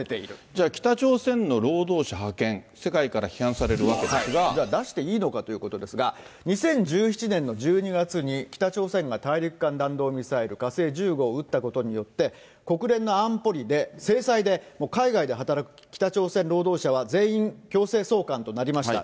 じゃあ、北朝鮮の労働者派遣、じゃあ出していいのかということですが、２０１７年の１２月に、北朝鮮が大陸間弾道ミサイル火星１５を撃ったことによって、国連の安保理で、制裁で、もう海外で働く北朝鮮労働者は全員、強制送還となりました。